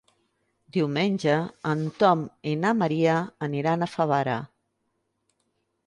Diumenge en Tom i na Maria aniran a Favara.